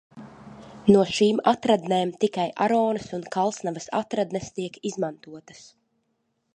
No šīm atradnēm tikai Aronas un Kalsnavas atradnes tiek izmantotas.